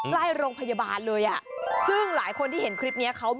ใกล้โรงพยาบาลเลยอ่ะ